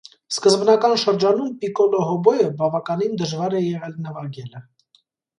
Սկզբնական շրջանում պիկոլո հոբոյը բավականին դժվար է եղել նվագելը։